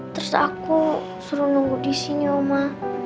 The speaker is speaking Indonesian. terus aku suruh nunggu disini oma